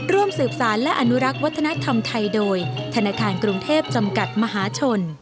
ร่วมสืบสารและอนุรักษ์วัฒนธรรมไทยโดยธนาคารกรุงเทพจำกัดมหาชน